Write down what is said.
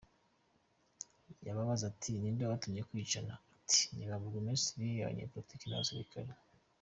Yababaza ati, « Ninde wabatumye kwicana ?», bati ni « Ba Burugumesitiri, abanyapolitiki n’abasirikare ».